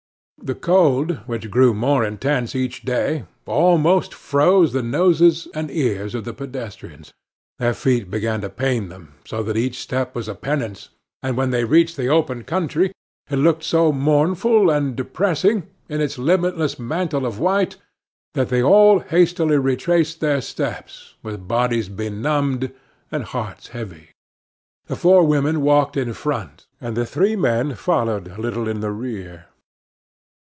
The cold, which grew more intense each day, almost froze the noses and ears of the pedestrians, their feet began to pain them so that each step was a penance, and when they reached the open country it looked so mournful and depressing in its limitless mantle of white that they all hastily retraced their steps, with bodies benumbed and hearts heavy. The four women walked in front, and the three men followed a little in their rear.